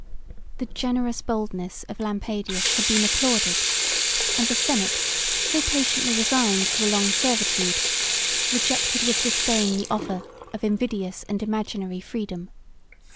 The generous boldness of Lampadius had been applauded; and the senate, so patiently resigned to a long servitude, rejected with disdain the offer of invidious and imaginary freedom.